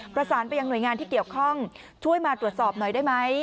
ประสานไปยังหน่วยงานที่เกี่ยวข้องช่วยมาตรวจสอบหน่อยได้ไหม